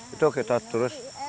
itu kita terus